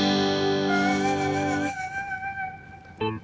suara sedang bergantung